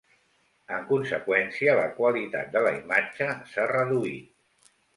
En conseqüència, la qualitat de la imatge s'ha reduït.